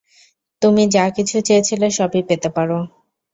তুমি যা কিছু চেয়েছিলে সবই পেতে পারো।